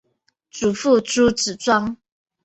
祖父朱子庄。